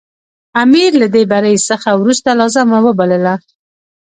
امیر له دې بري څخه وروسته لازمه وبلله.